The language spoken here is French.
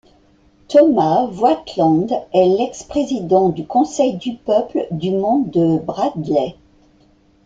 Thomas Voigtland est l'ex-président du Conseil du peuple du Monde de Bradley.